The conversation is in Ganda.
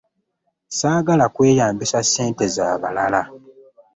Ssaagala kweyambisa ssente za balala.